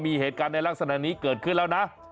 มีเหตุการณ์ในลักษณะนี้เกิดขึ้นแล้วนะ